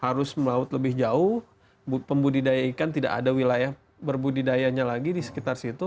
harus melaut lebih jauh pembudidaya ikan tidak ada wilayah berbudidayanya lagi di sekitar situ